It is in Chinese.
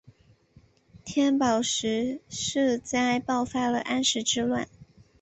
天宝十四载爆发了安史之乱。